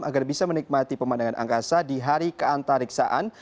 agar bisa menikmati pemandangan angkasa di hari keantariksaan